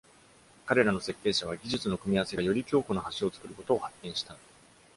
彼らの設計者は、技術の組み合わせがより強固な橋を作ることを発見した。